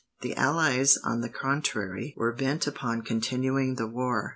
The allies, on the contrary, were bent upon continuing the war.